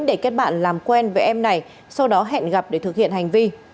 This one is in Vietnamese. để kết bạn làm quen với em này sau đó hẹn gặp để thực hiện hành vi